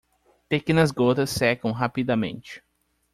Pequenas gotas secam rapidamente.